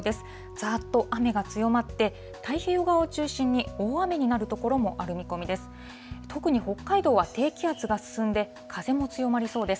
ざーっと雨が強まって、太平洋側を中心に大雨になる所もある見込みです。